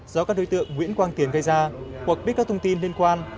do các đối tượng nguyễn quang tiền gây ra hoặc biết các thông tin liên quan